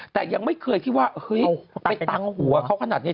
แต่ยังไม่เคยคิดว่าเฮ้ยไปตังหัวเขาขนาดนี้